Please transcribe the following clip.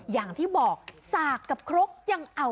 อย่างที่บอกสากกับครกยังเอา